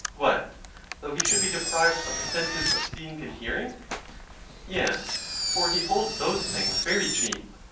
What! though he should be deprived of the senses of seeing and hear ing? Yes; for he holds those things very cheap.